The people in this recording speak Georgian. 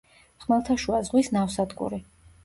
ხმელთაშუა ზღვის ნავსადგური.